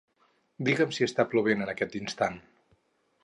Digue'm si està plovent en aquest instant.